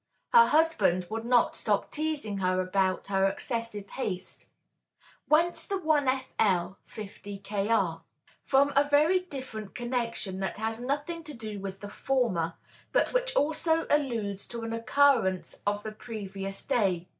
Her husband would not stop teasing her about her excessive haste. Whence the 1 Fl. 50 Kr.? From a very different connection that has nothing to do with the former, but which also alludes to an occurrence of the previous day.